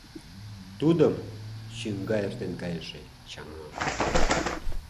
Тудым чӱҥга эртен кайыше чаҥа